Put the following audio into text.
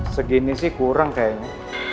segini sih kurang kayaknya